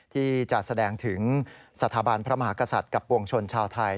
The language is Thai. ที่จะแสดงถึงสถาบันพระมหากษัตริย์กับปวงชนชาวไทย